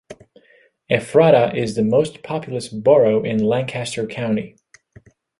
Ephrata is the most populous borough in Lancaster County.